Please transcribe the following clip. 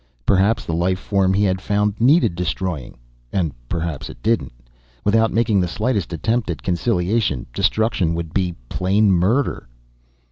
Perhaps the life form he had found needed destroying and perhaps it didn't. Without making the slightest attempt at conciliation, destruction would be plain murder.